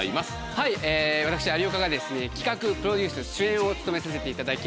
はい私有岡が企画プロデュース主演を務めさせていただきます